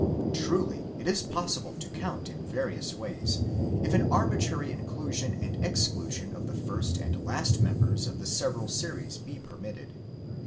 Truly it is possible to count in various ways, if an arbitrary inclusion and exclusion of the first and. last members of the several series be permitted.